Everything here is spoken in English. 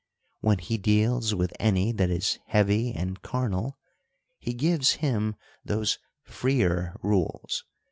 When he deals with any that is heavy and carnal, he gives him those freer rules.